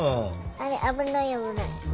あれ危ない危ない。